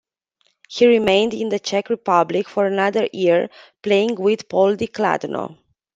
He remained in the Czech Republic for another year, playing with Poldi Kladno.